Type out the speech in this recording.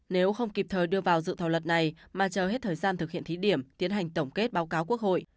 nếu không kịp thời đưa vào dự thảo luật này mà chờ hết thời gian thực hiện thí điểm tiến hành tổng kết báo cáo quốc hội